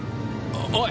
おい！